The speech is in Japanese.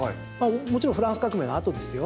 もちろんフランス革命のあとですよ。